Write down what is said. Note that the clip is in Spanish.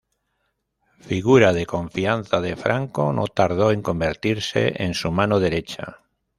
Figura de confianza de Franco, no tardó en convertirse en su mano derecha.